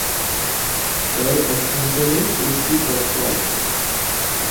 এর অভ্যন্তরে তিনটি কক্ষ আছে।